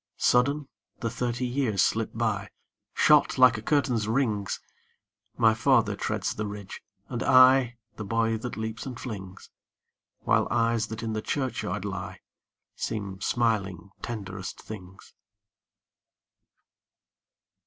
Sudden, the thirty years slip by, Shot like a curtain's rings ! My father treads the ridge, and I The boy that leaps and flings, While eyes that in the churchyard lie Seem smiling tenderest things.